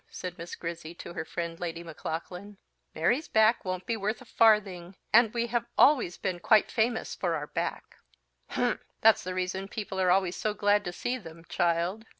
said Miss Grizzy to her friend Lady Maclaughlan. "Mary's back won't be worth a farthing, and we have always been quite famous for our back." "Humph! that's the reason people are always so glad to see them, child."